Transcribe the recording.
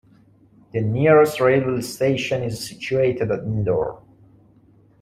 The nearest railway station is situated at Indore.